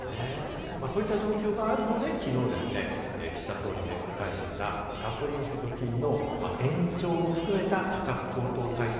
そういった状況があるので、きのう岸田総理大臣がガソリン補助金の延長を含めた価格高騰対策